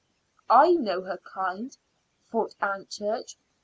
"I know her kind," thought Aunt Church.